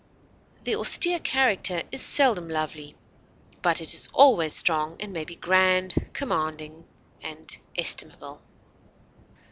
The austere character is seldom lovely, but it is always strong and may be grand, commanding, and estimable.